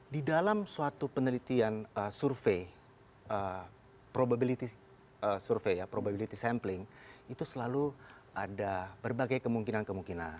di dalam suatu penelitian survei probability survei ya probability sampling itu selalu ada berbagai kemungkinan kemungkinan